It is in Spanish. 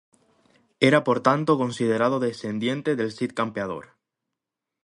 Era por tanto considerado descendiente del Cid Campeador.